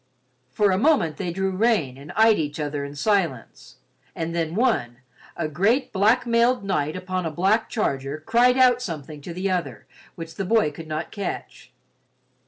For a moment, they drew rein and eyed each other in silence, and then one, a great black mailed knight upon a black charger, cried out something to the other which the boy could not catch.